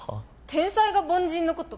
天才が凡人のこと